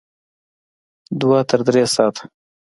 دوه تر درې ساعته